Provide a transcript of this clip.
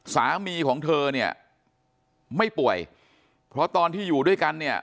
สามีของเธอเนี่ยไม่ป่วยเพราะตอนที่อยู่ด้วยกันเนี่ย